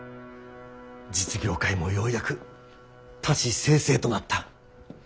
実業界もようやく多士済々となった。